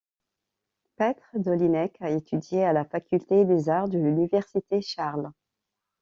Petr Dolínek a étudié à la Faculté des arts de l'Université Charles.